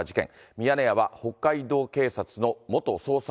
ミヤネ屋は北海道警察の元捜査